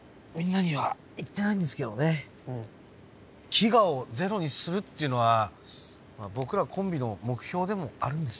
飢餓をゼロにするっていうのは僕らコンビの目標でもあるんです。